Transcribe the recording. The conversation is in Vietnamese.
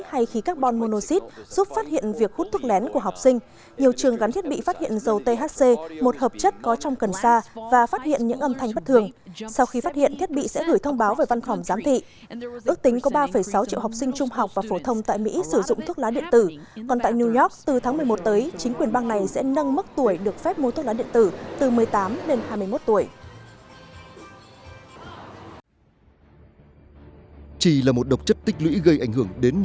chỉ là một độc chất tích lũy gây ảnh hưởng đến nhiều cơ quan trên thế giới